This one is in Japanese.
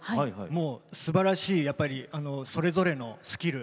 もうすばらしいやっぱりそれぞれのスキル